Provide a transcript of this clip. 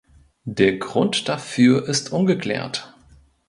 Der Grund dafür ist ungeklärt.